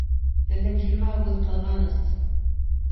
Һеҙҙең килмәүегеҙ ҡыҙғаныс.